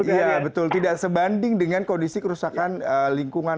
iya betul tidak sebanding dengan kondisi kerusakan lingkungan